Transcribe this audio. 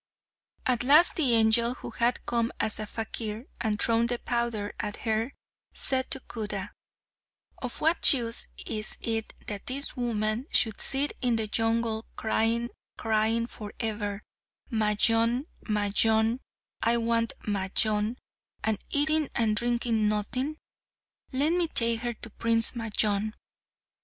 At last the angel who had come as a fakir and thrown the powder at her, said to Khuda, "Of what use is it that this woman should sit in the jungle crying, crying for ever, 'Majnun, Majnun; I want Majnun,' and eating and drinking nothing? Let me take her to Prince Majnun."